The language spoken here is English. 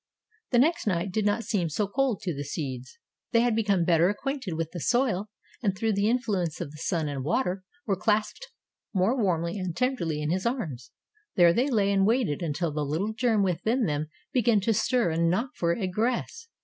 The next night did not seem so cold to the seeds. They had become better acquainted with the soil and through the influence of the sun and water were clasped more warmly and tenderly in his arms. There they lay and waited until the little germ within them began to stir and knock for egress.